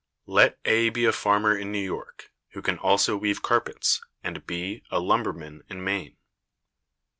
Let A be a farmer in New York, who can also weave carpets, and B a lumberman in Maine.